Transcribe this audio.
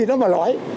nó mà nói